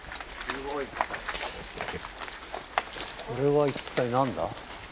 これは一体何だ？